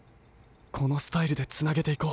このスタイルでつなげていこう。